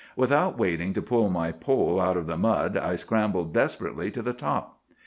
Without waiting to pull my pole out of the mud I scrambled desperately to the top.